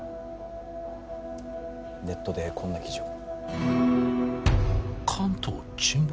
ネットでこんな記事を関東沈没？